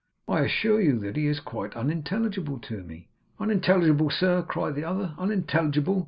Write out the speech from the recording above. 'I assure you that he is quite unintelligible to me.' 'Unintelligible, sir!' cried the other. 'Unintelligible!